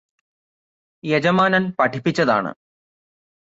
യജമാനന് പഠിപ്പിച്ചതാണ്